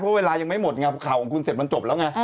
เพราะเวลายังไม่หมดไงข่าวของคุณเสร็จมันจบแล้วไง